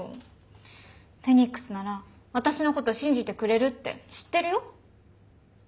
フェニックスなら私の事信じてくれるって知ってるよ。